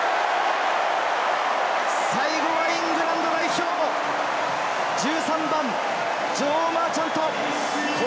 最後はイングランド代表・１３番、ジョー・マーチャント！